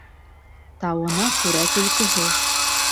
Тауына күрә төлкөһө.